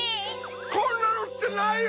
こんなのってないよ！